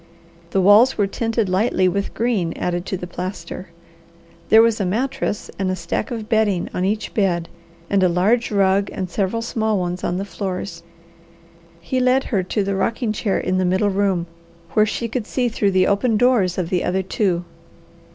The walls were tinted lightly with green added to the plaster. There was a mattress and a stack of bedding on each bed, and a large rug and several small ones on the floors. He led her to the rocking chair in the middle room, where she could see through the open doors of the other two.